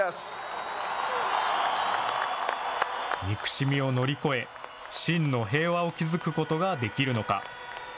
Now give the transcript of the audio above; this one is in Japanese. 憎しみを乗り越え、真の平和を築くことができるのか。